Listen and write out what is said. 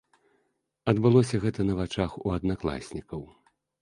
Адбылося гэта на вачах у аднакласнікаў.